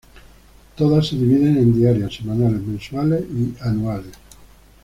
Todas se dividen en diarias, semanales, mensuales y anuales.